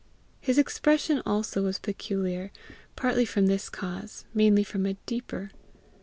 His expression also was peculiar, partly from this cause, mainly from a deeper.